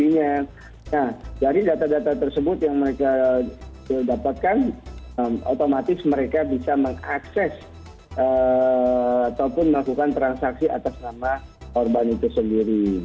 nah dari data data tersebut yang mereka dapatkan otomatis mereka bisa mengakses ataupun melakukan transaksi atas nama korban itu sendiri